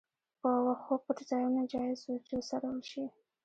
په وښو پټ ځایونه جایز وو چې وڅرول شي.